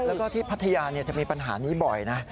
แล้วก็ที่พัทยาจะมีปัญหานี้บ่อยนะ